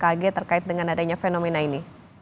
yang kaget terkait dengan adanya fenomena ini